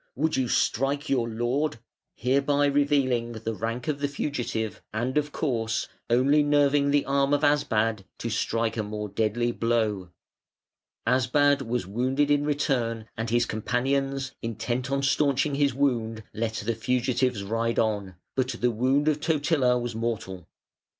would you strike your lord?" hereby revealing the rank of the fugitive and, of course, only nerving the arm of Asbad to strike a more deadly blow. Asbad was wounded in return and his companions intent on staunching his wound let the fugitives ride on, but the wound of Totila was mortal.